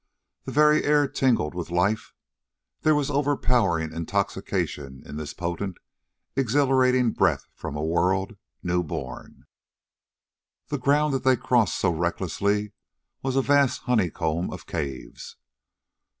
The very air tingled with life; there was overpowering intoxication in this potent, exhilarating breath from a world new born. The ground that they crossed so recklessly was a vast honeycomb of caves.